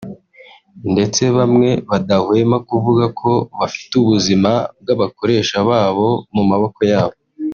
ndetse bamwe badahwema kuvuga ko bafite ubuzima bw’abakoresha babo mu maboko yabo